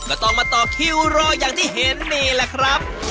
ก็ต้องมาต่อคิวรออย่างที่เห็นนี่แหละครับ